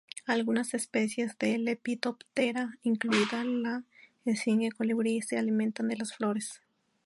Algunas especies de Lepidoptera, incluida la esfinge colibrí, se alimentan de las flores.